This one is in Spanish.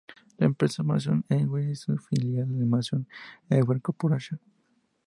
La empresa "Mason Ewing" es une filial de Mason Ewing Corporation.